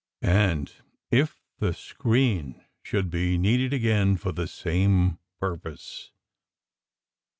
" and if the screen should be needed again for the same purpose.